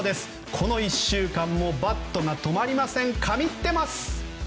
この１週間もバットが止まりません